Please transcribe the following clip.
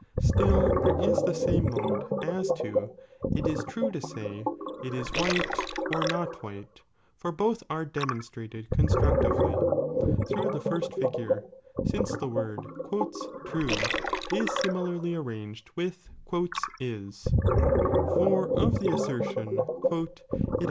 Still there is the same mode as to it is true to say it is white or not white, for both are demonstrated constructively* through ■ „m,„,„o Ihe first figure, since the word " true " is similarly ^JJ^^'S'" arranged with "is," for of the assertion "it is Ai(n."'